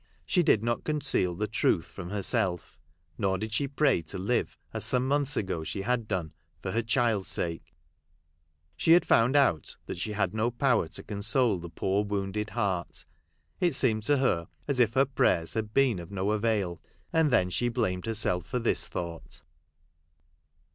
She did not conceal the truth from herself; nor did she pray to live, as some months ago she had done, for her child's sake ; she had found out that she had no power to console the poor wounded heart. It seemed to her as if her prayers had been of no avail ; and then she blamed herself for this thought.